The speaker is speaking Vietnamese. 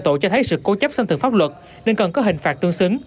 tội cho thấy sự cố chấp xâm thực pháp luật nên cần có hình phạt tương xứng